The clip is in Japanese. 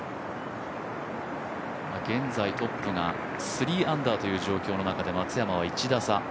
現在トップが３アンダーという状況の中で松山は１打差。